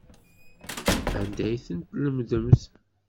Anda ay ten-tlemdemt?